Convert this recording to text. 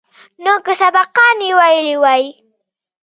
نو که سبقان يې ويلي واى.